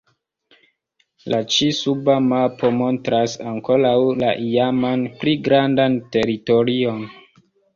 La ĉi-suba mapo montras ankoraŭ la iaman, pli grandan teritorion.